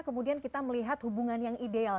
kemudian kita melihat hubungan yang ideal